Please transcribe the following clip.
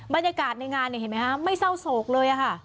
บรรยากาศในงานไม่เศร้าโศกเลยค่ะ